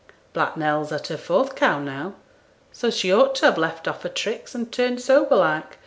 'Black Nell's at her fourth calf now, so she ought to ha' left off her tricks and turned sober like.